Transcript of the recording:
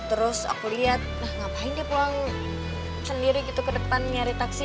terus aku lihat nah ngapain dia pulang sendiri gitu ke depan nyari taksi